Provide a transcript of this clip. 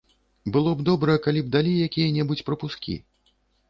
Было б добра, калі б далі якія-небудзь прапускі.